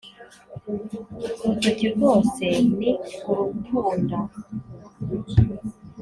urutoki rwose ni urutunda